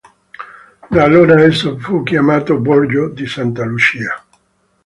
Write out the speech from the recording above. Da allora esso fu chiamato Borgo di Santa Lucia.